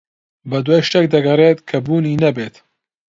بەدوای شتێک دەگەڕێت کە بوونی نەبێت.